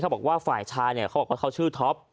เขาบอกว่าฝ่ายชายเขาบอกว่าเขาชื่อท็อป